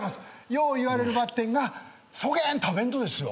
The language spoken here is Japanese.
よう言われるばってんがそげん食べんとですよ。